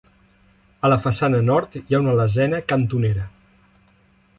A la façana nord hi ha una lesena cantonera.